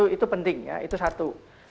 itu penting ya itu satu